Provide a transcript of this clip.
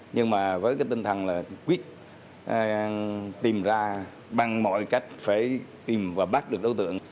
nhưng mà với cái tinh thần là quyết tìm ra bằng mọi cách phải tìm và bắt được đối tượng